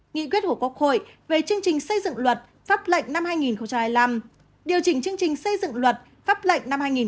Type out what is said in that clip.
nghị quyết của quốc hội về chương trình xây dựng luật pháp lệnh năm hai nghìn hai mươi năm điều chỉnh chương trình xây dựng luật pháp lệnh năm hai nghìn hai mươi